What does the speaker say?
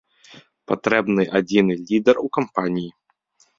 Патрэбны адзіны лідар у кампаніі.